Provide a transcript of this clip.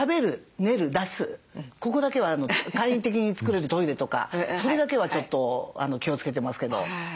ここだけは簡易的に作れるトイレとかそれだけはちょっと気をつけてますけど。